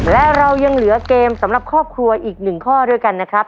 และเรายังเหลือเกมสำหรับครอบครัวอีก๑ข้อด้วยกันนะครับ